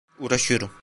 Uğraşıyorum.